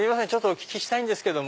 お聞きしたいんですけども。